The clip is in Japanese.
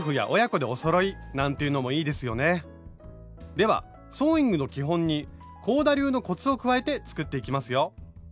ではソーイングの基本に香田流のコツを加えて作っていきますよ！